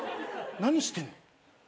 何してんの？